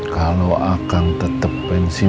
kalau akang tetep pensiun